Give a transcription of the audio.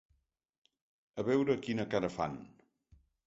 A veure quina cara fan.